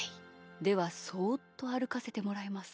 ではそっとあるかせてもらいます。